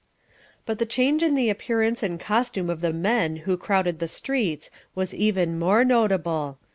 But the change in the appearance and costume of the men who crowded the streets was even more notable.